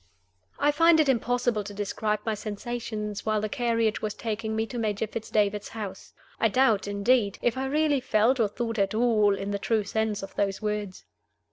I FIND it impossible to describe my sensations while the carriage was taking me to Major Fitz David's house. I doubt, indeed, if I really felt or thought at all, in the true sense of those words.